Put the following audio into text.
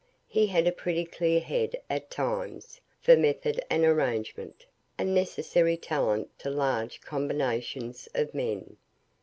He had a pretty clear head at times, for method and arrangement; a necessary talent to large combinations of men.